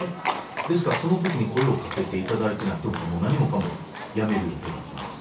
ですからその時に声をかけて頂いていないと僕は何もかも辞める予定だったんですね